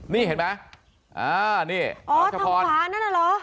นี่เห็นไหมอ๋อชะพานตรงขวานั่นหรอ